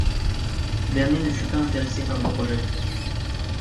Ce dernier ne fut pas intéressé par le projet.